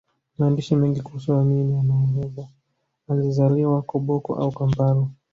Maandishi mengi kuhusu amini yanaeleza alizaliwa Koboko au Kampala